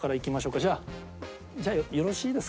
じゃあじゃあよろしいですか？